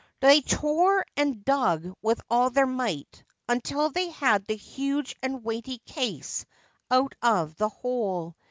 They tore and dug with all their might, until they had the huge and weighty case out of the hole.